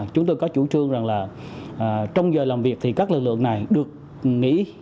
chúng tôi có chủ trương rằng là trong giờ làm việc thì các lực lượng này được nghỉ